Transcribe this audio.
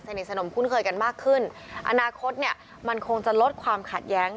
สนมคุ้นเคยกันมากขึ้นอนาคตเนี่ยมันคงจะลดความขัดแย้ง